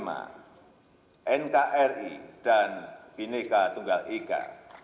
undang undang dasar seribu sembilan ratus empat puluh lima nkri dan bhinneka tunggal ika